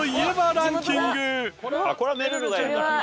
これはめるるがいるからな。